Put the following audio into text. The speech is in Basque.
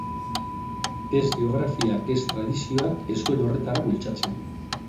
Ez geografiak ez tradizioak ez zuen horretara bultzatzen.